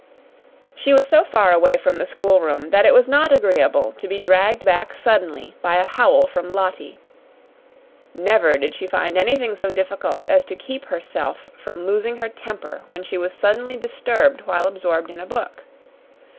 She was so far away from the schoolroom that it was not agreeable to be dragged back suddenly by a howl from Lottie. Never did she find anything so difficult as to keep herself from losing her temper when she was suddenly disturbed while absorbed in a book.